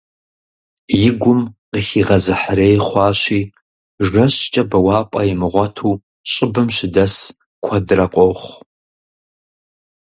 И гум къыхигъэзыхьрей хъуащи, жэщкӀэ бэуапӀэ имыгъуэту щӀыбым щыдэс куэдрэ къохъу.